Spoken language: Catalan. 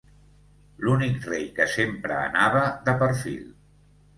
L'únic rei que sempre anava de perfil.